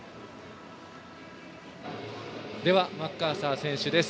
では、マッカーサー選手です。